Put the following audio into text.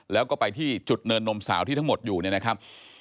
แล้วก็ไปที่จุดเนินนมสาวที่ทั้งหมดอยู่เนี่ยนะครับ